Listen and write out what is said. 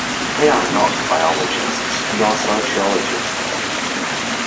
They are not biologists nor sociologists.